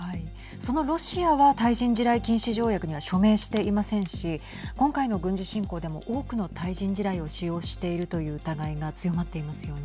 そのロシアはその対人地雷禁止条約には署名していませんし今回の軍事侵攻でも多くの対人地雷を使用しているという疑いが強まっていますよね。